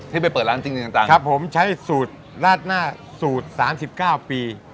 ที่ไปเปิดร้านจริงจริงจังจังครับผมใช้สูตรราดหน้าสูตรสามสิบเก้าปี